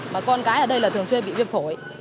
mà con cái ở đây là thường xuyên bị viêm phổi